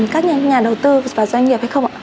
các nhà đầu tư và doanh nghiệp hay không ạ